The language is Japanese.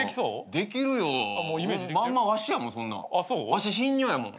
わし頻尿やもん。